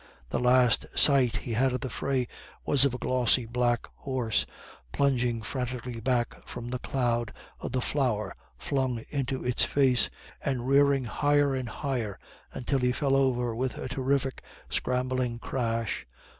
The last sight he had of the fray was of a glossy black horse plunging frantically back from a cloud of the flour flung into his face, and rearing higher and higher, until he fell over with a terrific scrambling crash.